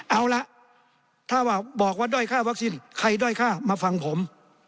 เอาล่ะถ้าว่าบอกว่าด้อยค่าวัคซีนใครด้อยค่ามาฟังผม